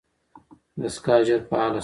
دستګاه ژر فعاله شوه.